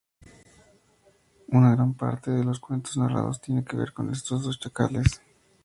Una gran parte de los cuentos narrados tienen que ver con estos dos chacales.